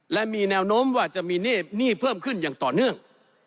และมีแนวโน้มว่าจะมีหนี้เพิ่มขึ้นอย่างต่อเนื่อง